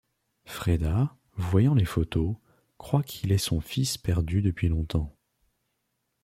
Frieda, voyant les photos, croit qu'il est son fils perdu depuis longtemps.